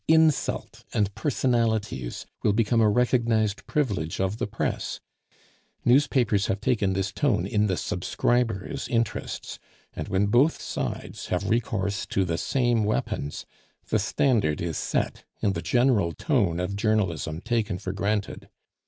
Insult and personalities will become a recognized privilege of the press; newspapers have taken this tone in the subscribers' interests; and when both sides have recourse to the same weapons, the standard is set and the general tone of journalism taken for granted.